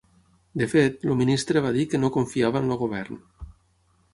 De fet, el ministre va dir que no confiava en el govern.